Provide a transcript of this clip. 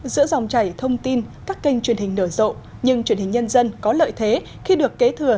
giữa dòng chảy thông tin các kênh truyền hình nở rộ nhưng truyền hình nhân dân có lợi thế khi được kế thừa